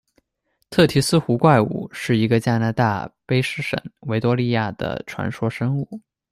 忒提斯湖怪物是一个加拿大卑诗省维多利亚的传说生物。